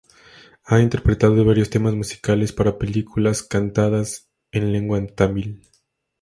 Ha interpretado varios temas musicales para películas cantados en lengua tamil.